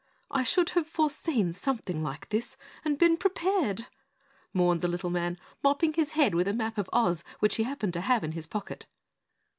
"I should have foreseen something like this, and been prepared," mourned the little man, mopping his head with a map of Oz which he happened to have in his pocket.